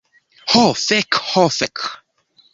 Ho fek' ho fek'...